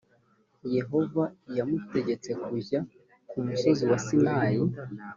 yehova yamutegetse kujya kumusozi wa sinayi.